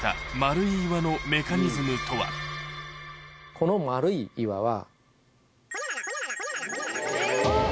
この丸い岩は。